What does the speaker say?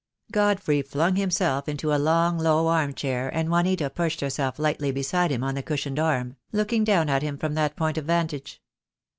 Godfrey flung himself into a long, low, arm chair, and Juanita perched herself lightly beside him on the cushioned arm, looking down at him from that point of vantage.